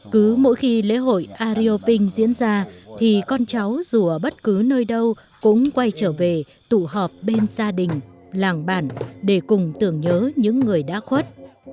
cứ mỗi khi lễ hội arioping diễn ra thì con cháu dù ở bất cứ nơi đâu cũng quay trở về tụ họp bên gia đình làng bản để cùng tưởng nhớ những người đã khuất